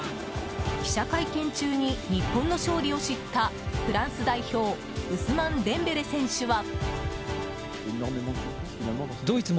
記者会見中に日本の勝利を知ったフランス代表ウスマン・デンベレ選手は。